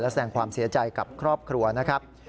แสดงความเสียใจกับครอบครัวนะครับ